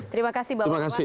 terima kasih mbak putri